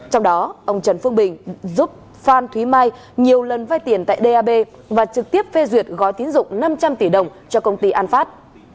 trong đó ông trần phương bình giúp phan thúy mai nhiều lần vai tiền tại đ a b và trực tiếp phê duyệt gói tín dụng năm trăm linh tỷ đồng cho công ty an phát